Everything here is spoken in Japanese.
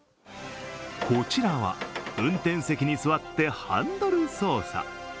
こちらは、運転席に座ってハンドル操作。